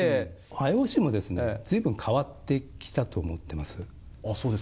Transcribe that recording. ＩＯＣもずいぶん変わってきたと思ってます。